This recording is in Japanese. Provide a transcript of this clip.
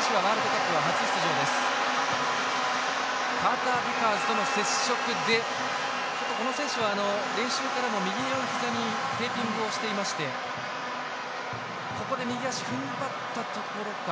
カータービカーズとの接触でこの選手は練習からも右のひざにテーピングをしていましてここで右足、ふんばったところか。